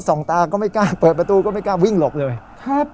ตาก็ไม่กล้าเปิดประตูก็ไม่กล้าวิ่งหลบเลยครับ